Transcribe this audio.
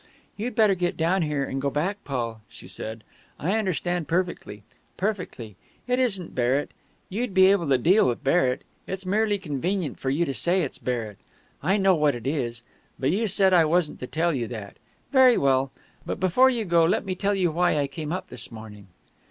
"You'd better get down here and go back, Paul," she said. "I understand perfectly perfectly. It isn't Barrett. You'd be able to deal with Barrett. It's merely convenient for you to say it's Barrett. I know what it is ... but you said I wasn't to tell you that. Very well. But before you go let me tell you why I came up this morning."